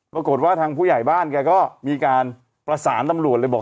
ปรากฏว่าทางผู้ใหญ่บ้านแกก็มีการประสานตำรวจเลยบอก